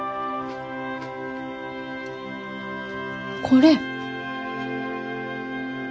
これ。